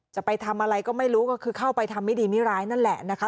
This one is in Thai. จะไปทำอะไรก็ไม่รู้ก็คือเข้าไปทำไม่ดีไม่ร้ายนั่นแหละนะคะ